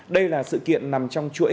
đây là sự kiện nằm trong chuỗi